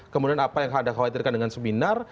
kemudian apa yang anda khawatirkan dengan seminar